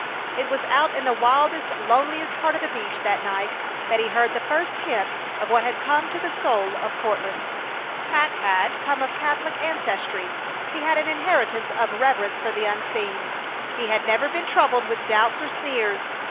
It was out in the wildest, loneliest part of the beach that night that he heard the first hint of what had come to the soul of Courtland. Pat had come of Catholic ancestry. He had an inheritance of reverence for the unseen. He had never been troubled with doubts or sneers.